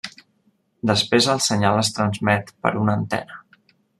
Després el senyal es transmet per una antena.